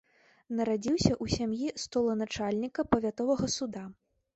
Нарадзіўся ў сям'і столаначальніка павятовага суда.